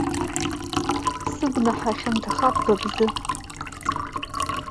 Сыгәнаҳа хьанҭахап ба бзы.